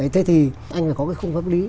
thế thì anh phải có cái khung pháp lý